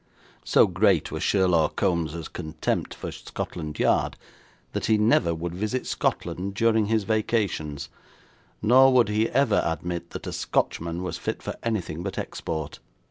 So great was Sherlaw Kombs's contempt for Scotland Yard that he never would visit Scotland during his vacations, nor would he ever admit that a Scotchman was fit for anything but export.